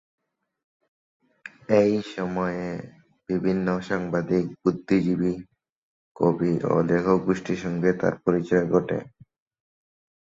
এই সময়ে বিভিন্ন সাংবাদিক, বুদ্ধিজীবী, কবি ও লেখক গোষ্ঠীর সঙ্গে তার পরিচিতি ঘটে।